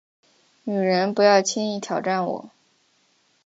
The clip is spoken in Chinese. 女人，不要轻易挑战我